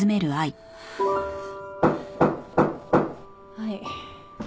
はい。